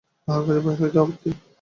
তাহার কাছে বাহির হইতে আপত্তি!